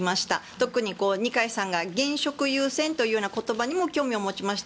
特に、二階さんが現職優先という言葉にも興味を持ちました。